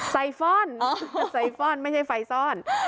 ไซฟอร์นไม่ใช่ไฟซ่อน